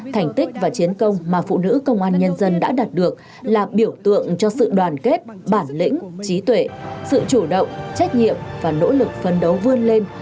thành tích và chiến công mà phụ nữ công an nhân dân đã đạt được là biểu tượng cho sự đoàn kết bản lĩnh trí tuệ sự chủ động trách nhiệm và nỗ lực phấn đấu vươn lên